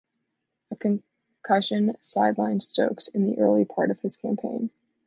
A concussion sidelined Stokes in the early part of his campaign.